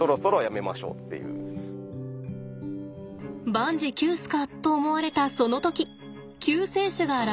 万事休すか？と思われたその時救世主が現れます。